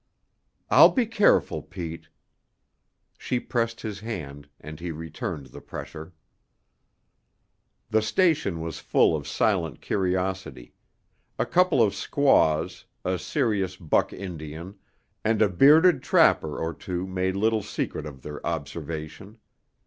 "I'll be careful, Pete." She pressed his hand, and he returned the pressure. The station was full of silent curiosity; a couple of squaws, a serious buck Indian, and a bearded trapper or two made little secret of their observation.